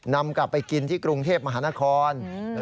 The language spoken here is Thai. นำกลับไปกินที่กรุงเทพมหานคร